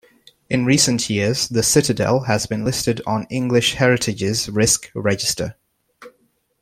In recent years the Citadel has been listed on English Heritage's Risk Register.